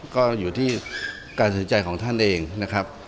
ก็อยู่ที่การสนใจของท่านเองนะครับ